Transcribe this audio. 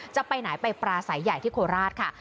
จะไปไหนไปปราศัยใหญ่ที่โคราชค่ะ